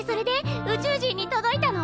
宇宙人に届いたの？